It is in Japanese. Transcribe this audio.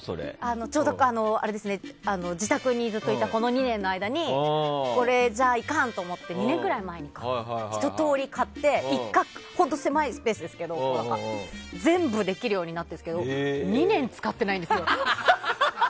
ちょうど自宅にずっといたこの２年の間にこれじゃいかん！と思って２年ぐらい前にひと通り買って一角の狭いスペースに全部できるようになっているんですけど２年、使ってないんですよ。